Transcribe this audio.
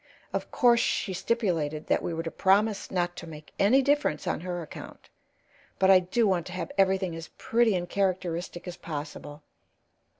Of course she stipulated that we were to promise not to make any difference on her account, but I do want to have everything as pretty and characteristic as possible.